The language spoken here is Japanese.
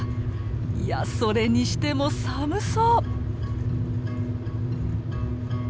いやそれにしても寒そう！